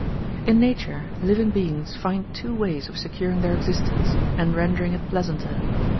In nature, living beings find two ways of securing their existence, and rendering it pleasanter.